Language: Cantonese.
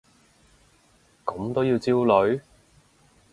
咁都要焦慮？